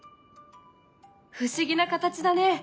不思議な形だね。